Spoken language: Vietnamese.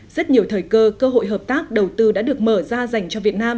rất nhiều thời cơ hội hợp tác đầu tư đã được mở ra dành cho việt nam